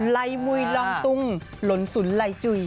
ลายมุยลองตุ้งหลนสุนลายจุย